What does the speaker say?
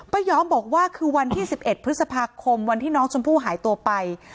ยอมบอกว่าคือวันที่๑๑พฤษภาคมวันที่น้องชมพู่หายตัวไป